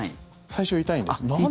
最初痛いんです。